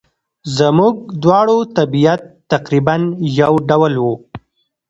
زموږ دواړو طبیعت تقریباً یو ډول وو.